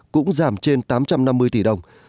cũng giảm trên tám trăm năm mươi tỷ đồng